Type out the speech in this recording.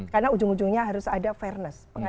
karena ujung ujungnya harus ada fairness